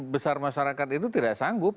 besar masyarakat itu tidak sanggup